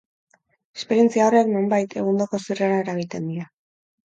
Esperientzia horrek, nonbait, egundoko zirrara eragiten die.